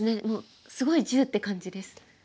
もうすごい１０って感じです。